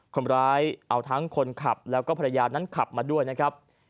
คนร้ายเอาทั้งคนขับแล้วก็ภรรยานั้นขับมาด้วยนะครับ